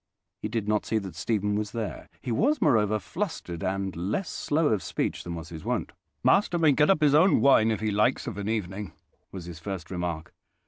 He did not see that Stephen was there: he was, moreover, flustered and less slow of speech than was his wont. "Master may get up his own wine, if he likes, of an evening," was his first remark.